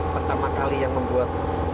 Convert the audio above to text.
pertama kali yang membuat